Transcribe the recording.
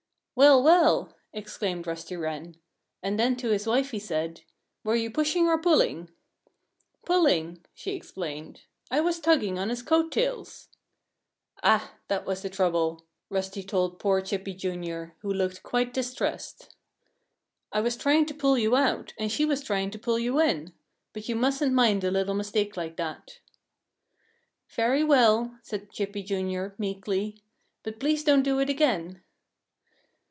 "Well! well!" exclaimed Rusty Wren. And then to his wife he said: "Were you pushing or pulling?" "Pulling!" she explained. "I was tugging on his coat tails." "Ah! That was the trouble," Rusty told poor Chippy, Jr., who looked quite distressed. "I was trying to pull you out; and she was trying to pull you in. But you mustn't mind a little mistake like that." "Very well!" said Chippy, Jr., meekly. "But please don't do it again!"